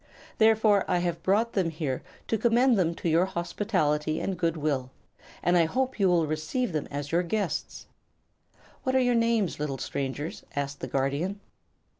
Therefore I have brought them here to commend them to your hospitality and good will, and I hope you will receive them as your guests." "What are your names, little strangers?" asked the Guardian.